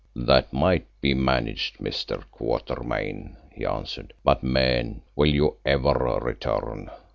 "That might be managed, Mr. Quatermain," he answered. "But, man, will you ever return?